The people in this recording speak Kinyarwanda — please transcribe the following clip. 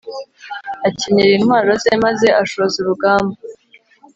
akenyera intwaro ze maze ashoza urugamba